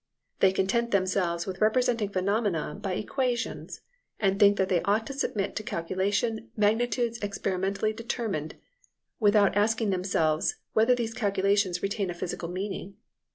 They content themselves with representing phenomena by equations, and think that they ought to submit to calculation magnitudes experimentally determined, without asking themselves whether these calculations retain a physical meaning.